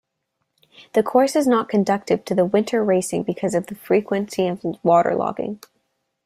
The course is not conducive to winter racing because of the frequency of water-logging.